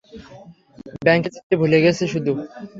ব্যাংকে যেতে ভুলে গেছি শুধু।